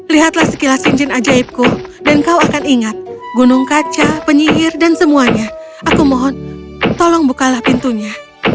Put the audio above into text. lihatlah sekilas cincin ajaibku dan kau akan ingat gunung kaca penyihir dan semuanya aku mohon tolong bukalah pintunya